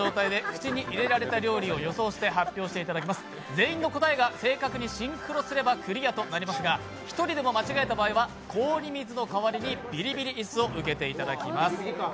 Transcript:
全員の答えが正確にシンクロすればクリアとなりますが、１人でも間違えた場合は氷水の代わりにビリビリ椅子を受けていただきます。